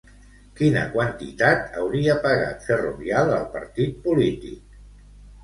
Quina quantitat hauria pagat Ferrovial al partit polític?